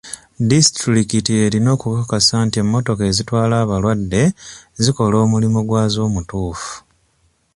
Disitulikiti erina okukakasa nti emmotoka ezitwala abalwadde zikola omulimu gwazo omutuufu.